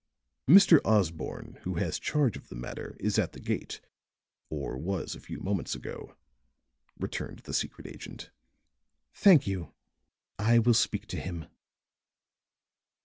"Mr. Osborne, who has charge of the matter, is at the gate or was a few moments ago," returned the secret agent. "Thank you. I will speak to him."